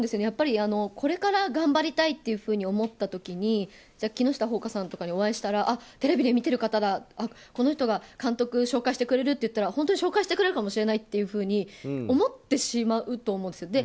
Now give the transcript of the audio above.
やっぱり、これから頑張りたいっていうふうに思った時に木下ほうかさんとかにお会いしたらテレビで見てる方だ、この人が監督紹介してくれるって言ったら本当に紹介してくれるかもしれないというふうに思ってしまうと思うんです。